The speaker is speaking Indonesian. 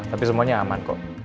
tapi semuanya aman kok